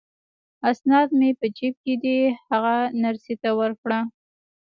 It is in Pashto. اسناد مې په جیب کې دي، هغه نرسې ته ورکړه.